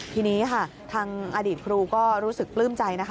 ทีนี้ค่ะทางอดีตครูก็รู้สึกปลื้มใจนะคะ